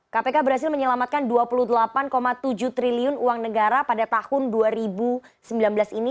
kpk berhasil menyelamatkan dua puluh delapan tujuh triliun uang negara pada tahun dua ribu sembilan belas ini